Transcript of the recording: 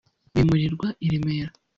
bimurirwa i Remera